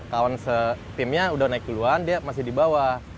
kawan timnya udah naik duluan dia masih di bawah